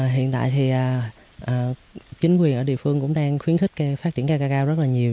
hiện tại thì chính quyền ở địa phương cũng đang khuyến khích phát triển ca cao rất là nhiều